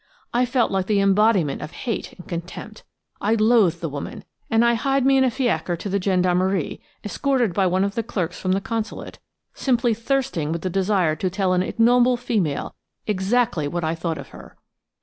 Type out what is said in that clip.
I felt like the embodiment of hate and contempt. I loathed the woman, and I hied me in a fiacre to the gendarmerie, escorted by one of the clerks from the Consulate, simply thirsting with the desire to tell an ignoble female exactly what I thought of her.